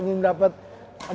aku udah pede